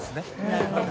なるほど。